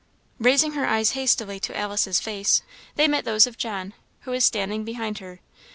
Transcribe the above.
Raising her eyes hastily to Alice's face, they met those of John, who was standing behind her.